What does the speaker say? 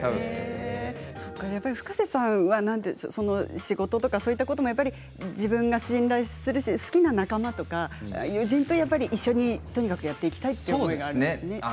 Ｆｕｋａｓｅさんは仕事とかそういったことも自分が信頼するし好きな仲間とか友人と一緒にとにかくやっていきたいという思いがあるんですね。